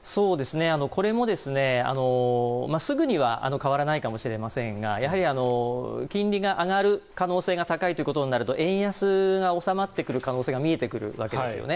これもすぐには変わらないかもしれませんがやはり金利が上がる可能性が高いとなると円安が収まってくる可能性が見えてくるわけですよね。